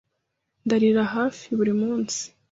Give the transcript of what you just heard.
Ndarira hafi buri munsi.